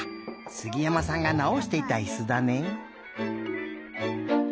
杉山さんがなおしていたいすだね。